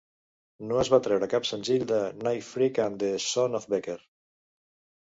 No es va treure cap senzill de "Nightfreak and the Sons of Becker".